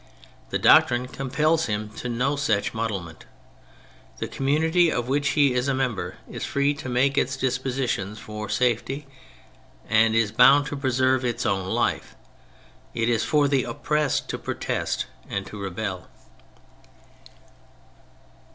*' The doctrine compels him to no such muddlement. The community of which he is a member is free to make its dispositions for safety, and is bound to preserve its own life. It is for the oppressed to protest and to rebel.